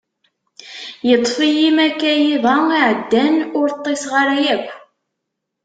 Yeṭṭef-iyi makay iḍ-a iɛeddan, ur ṭṭiseɣ ara yakk.